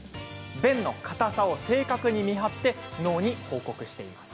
便の硬さを正確に見張り脳に報告します。